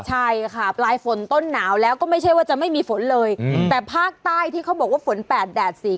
ใช่ค่ะปลายฝนต้นหนาวก็ไม่ใช่ว่าจะไม่มีฝนเลยแต่ภาคใต้ที่เขาบอกว่าฝน๘๔ก็ยังมีฝนหนัก